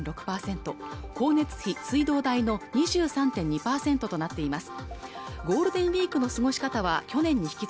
光熱費水道代の２３．２％となっています